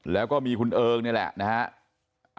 แล้วก็มีคุณเอิงนี่แหละนะฮะ